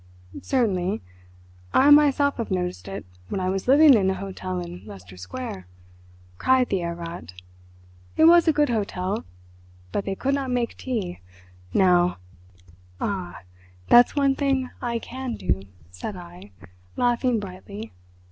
"Certainly. I myself have noticed it, when I was living in a hotel in Leicester Square," cried the Herr Rat. "It was a good hotel, but they could not make tea—now—" "Ah, that's one thing I can do," said I, laughing brightly.